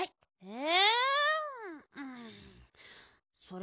え？